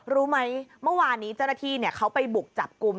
รู้ไหมเมื่อวานนี้เจ้าหน้าที่เขาไปบุกจับกลุ่ม